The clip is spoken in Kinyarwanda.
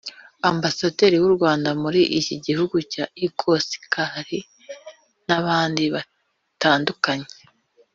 Ambasaderi w’u Rwanda muri iki gihugu Igor cesar n’abandi batandukanye